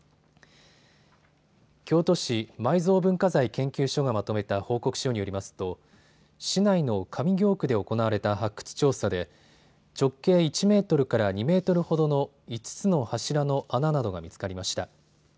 京都市埋蔵文化財研究所がまとめた報告書によりますと市内の上京区で行われた発掘調査で直径１メートルから２メートルほどの５つの柱の穴などが見つかりました。